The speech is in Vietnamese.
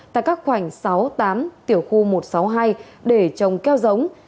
tại các khoảnh sáu tám tiểu khu một trăm sáu mươi hai để trồng keo giống